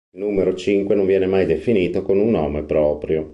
Il numero cinque non viene mai definito con un nome proprio.